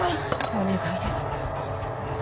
お願いです。